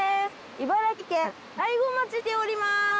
茨城県大子町に来ております。